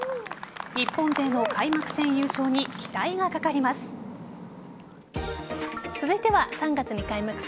日本勢の開幕戦優勝に期待がかかります。